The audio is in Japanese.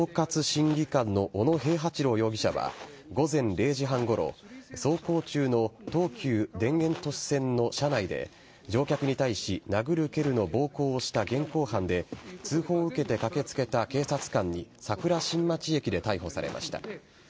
審議官の小野平八郎容疑者は午前０時半ごろ走行中の東急田園都市線の車内で乗客に対し殴る蹴るの暴行をした現行犯で通報を受けて駆けつけた警察官に桜新町駅で逮捕されました。